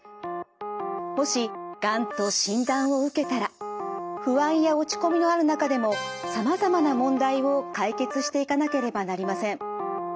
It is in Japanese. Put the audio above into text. もしがんと診断を受けたら不安や落ち込みのある中でもさまざまな問題を解決していかなければなりません。